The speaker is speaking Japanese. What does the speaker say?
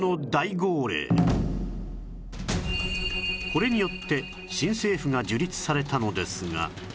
これによって新政府が樹立されたのですが